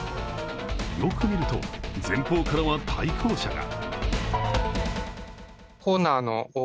よく見ると、前方からは対向車が。